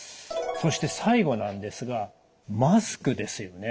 そして最後なんですがマスクですよね。